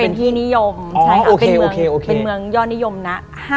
เป็นที่นิยมเป็นเมืองยอดนิยมนะ